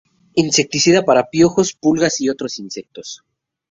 Insecticida para piojos, pulgas y otros insectos.